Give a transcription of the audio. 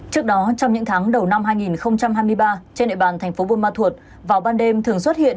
trước đó trong những tháng đầu năm hai nghìn hai mươi ba trên nệ bàn tp bun ma thuột vào ban đêm thường xuất hiện